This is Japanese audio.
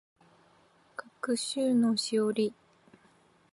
学習のしおり